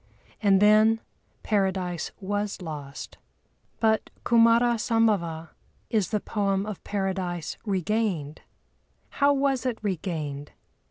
And then Paradise was lost. But Kumâra Sambhava is the poem of Paradise Regained. How was it regained?